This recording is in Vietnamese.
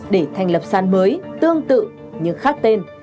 để thành lập sàn mới